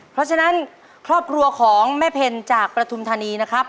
เพราะฉะนั้นครอบครัวของแม่เพ็ญจากประทุมธานีนะครับ